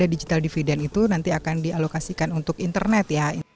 digital dividen itu nanti akan dialokasikan untuk internet